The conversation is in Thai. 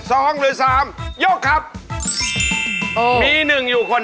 สองเหมือนกัน